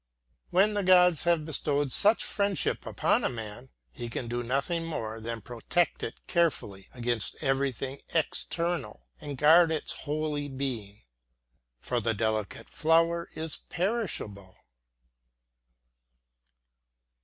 When the gods have bestowed such friendship upon a man, he can do nothing more than protect it carefully against everything external, and guard its holy being. For the delicate flower is perishable.